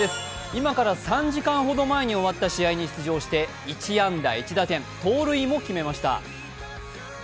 今から３時間ほど前に終わった試合に出場して１安打１打点、盗塁も決めました。